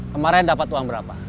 kemaren dapat uang berapa